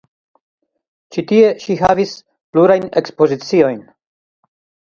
Ĉi tie ŝi havis plurajn ekspoziciojn.